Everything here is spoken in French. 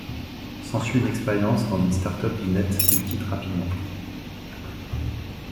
S'ensuit une expérience dans une start-up du net qu'il quitte rapidement.